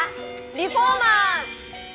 リフォーマーズ！